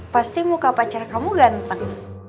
pasti muka pacar kamu ganteng